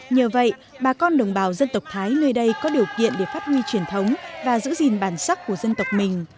nhờ vậy bà con đồng bào dân tộc thái nơi đây có điều kiện để phát huy truyền thống và giữ gìn bản sắc của dân tộc mình